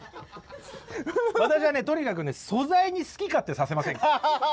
私はねとにかくね素材に好き勝手させませんから。